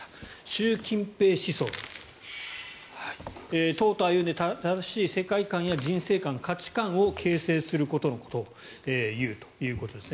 習近平思想党と歩んで正しい世界観や人生観、価値観を形成することということです。